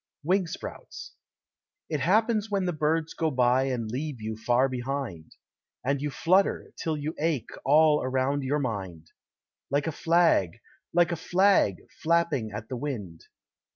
Wing Sprouts It happens when the birds go by And leave you far behind; And you flutter, till you ache All around your mind. Like a Flag, Like a Flag Flapping at the wind!